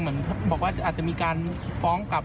หรือศิษย์ส่วนตัวเขานะครับ